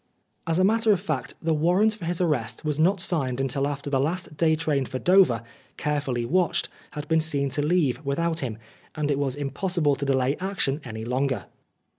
As a matter of fact the warrant for his arrest was not signed until after the last day train for Dover, carefully watched, had been seen to leave without him, and it was impossible to delay action any longer.